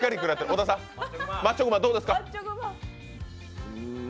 小田さん、マッチョ熊どうですか？